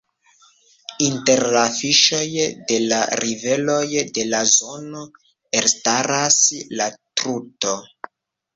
Inter la fiŝoj de la riveroj de la zono elstaras la Truto.